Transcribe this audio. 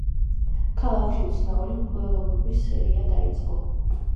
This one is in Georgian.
ქალაქში უცნაური მკვლელობების სერია დაიწყო.